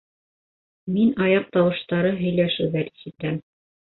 Мин аяҡ тауыштары, һөйләшеүҙәр ишетәм.